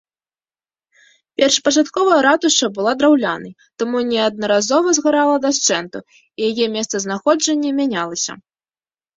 Першапачаткова ратуша была драўлянай, таму неаднаразова згарала дашчэнту, і яе месцазнаходжанне мянялася.